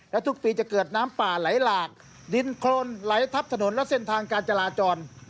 และทุกปีจะเกิดน้ำป่าไหลหลากดินโครนไหลทับถนนและเส้นทางการจราจร